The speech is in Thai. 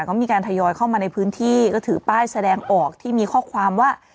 ก็มีการทยอยเข้ามาในพื้นที่ก็ถือป้ายแสดงออกที่มีข้อความว่า